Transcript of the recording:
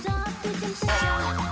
satu jam sejak